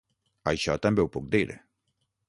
Això també ho puc dir.